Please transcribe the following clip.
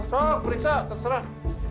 sok periksa terserah